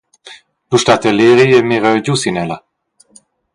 Lu stat el eri e mira giu sin ella.